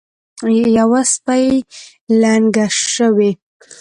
یوه سپۍ لنګه شوې.